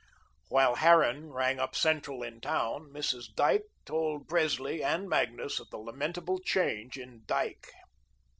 While Harran rang up Central in town, Mrs. Dyke told Presley and Magnus of the lamentable change in Dyke.